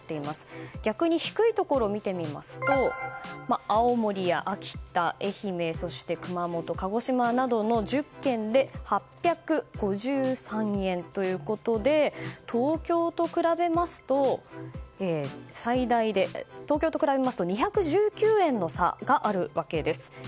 逆に低いところを見てみますと青森や秋田、愛媛、そして熊本鹿児島などの１０県で８５３円ということで東京と比べますと２１９円の差があるわけです。